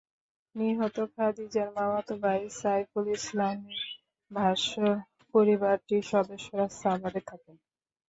নিহত খাদিজার মামাতো ভাই সাইফুল ইসলামের ভাষ্য, পরিবারটির সদস্যরা সাভারে থাকেন।